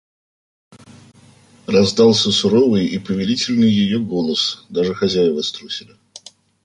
Раздался суровый и повелительный ее голос; даже хозяева струсили.